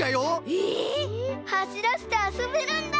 えっ！？はしらせてあそべるんだ！